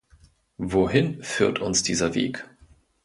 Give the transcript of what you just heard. Wohin führt uns dieser Weg?